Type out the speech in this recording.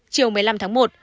chiều một mươi năm tháng một